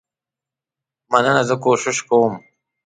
مننه زه کوشش کوم.